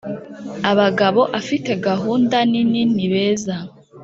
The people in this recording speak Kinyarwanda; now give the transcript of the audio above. abagabo afite gahunda nini ni beza,